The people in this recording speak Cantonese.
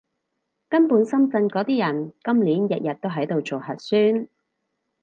根本深圳嗰啲人，今年日日都喺度做核酸